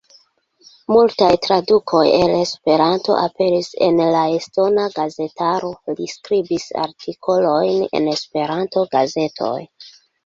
Multaj tradukoj el Esperanto aperis en la estona gazetaro; li skribis artikolojn en Esperanto-gazetoj.